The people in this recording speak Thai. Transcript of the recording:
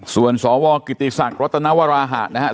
ส่วนสวกกิติศักดิ์ลฤษณ์รัฐนาวราหารนะครับ